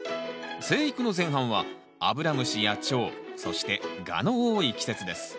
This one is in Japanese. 生育の前半はアブラムシやチョウそしてガの多い季節です。